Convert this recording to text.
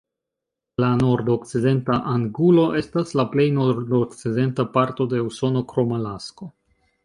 La Nordokcidenta Angulo estas la plej nordokcidenta parto de Usono krom Alasko.